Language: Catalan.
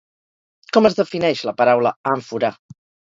Com es defineix la paraula àmfora?